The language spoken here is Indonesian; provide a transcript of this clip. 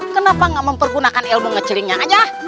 kenapa gak mempergunakan ilmu ngeceringnya aja